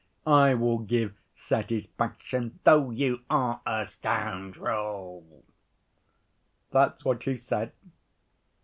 I will give satisfaction, though you are a scoundrel.' That's what he said.